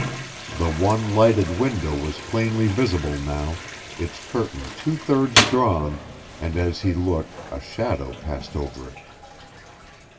The one lighted window was plainly visible now, its curtain two thirds drawn, and as he looked a shadow passed over it.